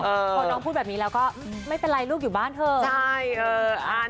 พอน้องพูดแบบนี้แล้วก็ไม่เป็นไรลูกอยู่บ้านเถอะ